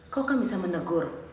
kau kan bisa menegur